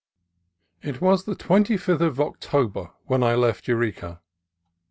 IT was the 25th of October when I left Eureka.